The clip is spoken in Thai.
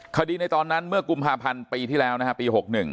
ในตอนนั้นเมื่อกุมภาพันธ์ปีที่แล้วนะฮะปี๖๑